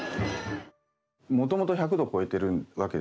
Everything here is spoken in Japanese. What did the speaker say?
もともと１００度超えてるわけですね。